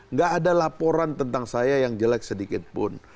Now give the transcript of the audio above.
nggak ada laporan tentang saya yang jelek sedikit pun